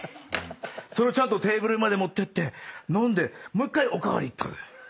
それをちゃんとテーブルまで持ってって飲んでもう１回お代わり行ったぜ。